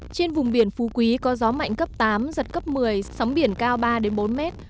trên vùng biển phú quý có gió mạnh cấp tám giật cấp một mươi sóng biển cao ba bốn mét